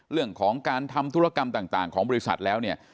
เรื่องของการทำธุรกรรมต่างของบริษัทแล้วเนี่ย